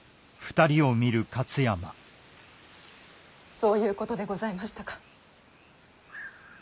そういうことでございましたか。